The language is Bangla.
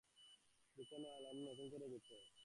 গোছানো আলনা আবার নতুন করে গোছায়।